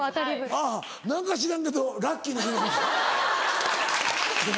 あぁ何か知らんけどラッキーな日なのか。